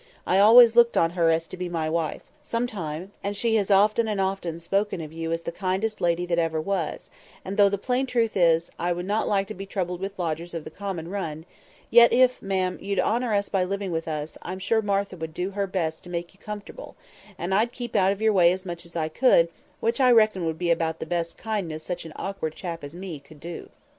I always looked on her as to be my wife—some time; and she has often and often spoken of you as the kindest lady that ever was; and though the plain truth is, I would not like to be troubled with lodgers of the common run, yet if, ma'am, you'd honour us by living with us, I'm sure Martha would do her best to make you comfortable; and I'd keep out of your way as much as I could, which I reckon would be the best kindness such an awkward chap as me could do."